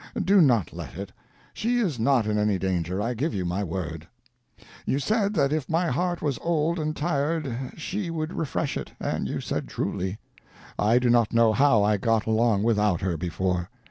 Do not let it; she is not in any danger, I give you my word. You said that if my heart was old and tired she would refresh it, and you said truly. I do not know how I got along without her, before.